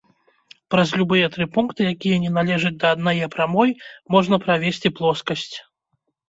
Праз любыя тры пункты, якія не належаць да аднае прамой, можна правесці плоскасць.